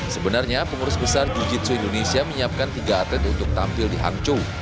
sebenarnya pengurus besar fujitsu indonesia menyiapkan tiga atlet untuk tampil di hangzhou